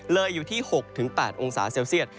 เลยอยู่ที่๖๘องศาเซลเซียต